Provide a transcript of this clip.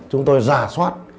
chúng tôi ra soát